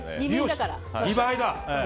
２倍だ。